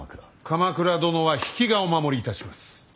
鎌倉殿は比企がお守りいたします。